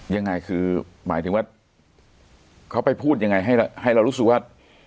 ยังไงคือหมายถึงว่าเขาไปพูดยังไงให้เรารู้สึกว่า